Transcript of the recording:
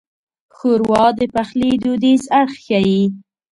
ښوروا د پخلي دودیز اړخ ښيي.